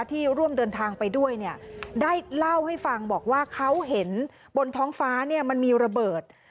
ที่ร่วมเดินทางไปด้วยเนี่ยได้เล่าให้ฟังบอกว่าเขาเห็นบนท้องฟ้าเนี่ยมันมีระเบิด